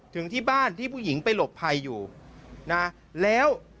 ถึงที่บ้านที่ผู้หญิงไปหลบภัยอยู่นะแล้ว